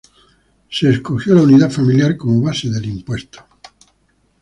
Se escogió la unidad familiar como base del impuesto.